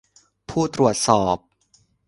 ผู้ตรวจสอบ